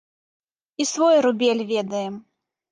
І свой рубель ведаем!